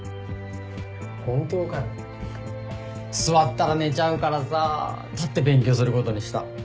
座ったら寝ちゃうからさ立って勉強することにした。